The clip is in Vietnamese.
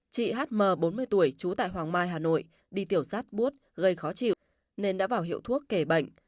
chị hm bốn mươi tuổi trú tại hoàng mai hà nội đi tiểu sắt bút gây khó chịu nên đã vào hiệu thuốc kể bệnh